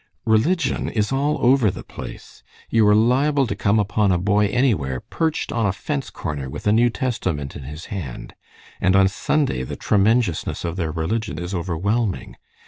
Religion is all over the place. You are liable to come upon a boy anywhere perched on a fence corner with a New Testament in his hand, and on Sunday the 'tremenjousness' of their religion is overwhelming.